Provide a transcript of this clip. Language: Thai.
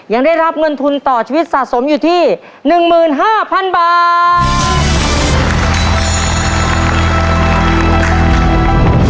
ยังได้รับเงินทุนต่อชีวิตสะสมอยู่ที่๑๕๐๐๐บาท